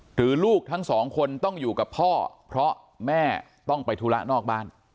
หรือลูกทั้งสองคนต้องอยู่กับพ่อเพราะแม่ต้องไปธุระนอกบ้าน